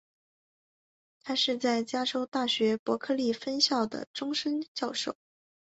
他是在加州大学伯克利分校的终身教授。